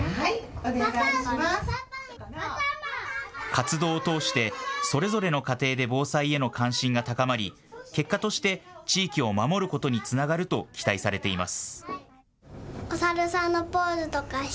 活動を通して、それぞれの家庭で防災への関心が高まり結果として地域を守ることにつながると期待されています。